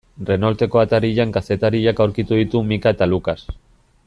Renaulteko atarian kazetariak aurkitu ditu Micka eta Lucas.